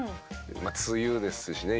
梅雨ですしね